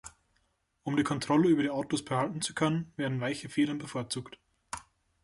Um die Kontrolle über die Autos behalten zu können, werden weiche Federn bevorzugt.